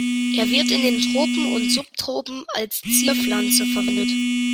Er wird in den Tropen und Subtropen als Zierpflanze verwendet.